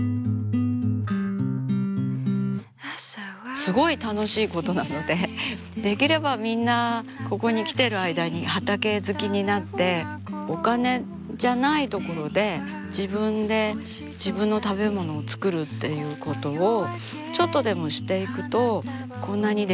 すごい楽しいことなのでできればみんなここに来てる間に畑好きになってお金じゃないところで自分で自分の食べ物を作るっていうことをちょっとでもしていくとこんなにできるようになるので。